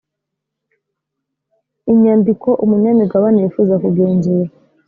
inyandiko umunyamigabane yifuza kugenzura